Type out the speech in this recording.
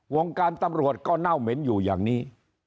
วงการตำรวจก็เน่าเหม็นอยู่อย่างนี้